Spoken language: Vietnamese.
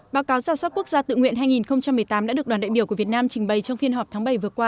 báo cáo giả soát quốc gia tự nguyện hai nghìn một mươi tám đã được đoàn đại biểu của việt nam trình bày trong phiên họp tháng bảy vừa qua